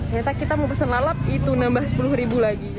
ternyata kita mau pesen lalap itu nambah sepuluh ribu lagi